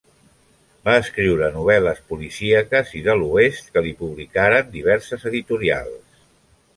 Va escriure novel·les policíaques i de l'oest que li publicaren diverses editorials.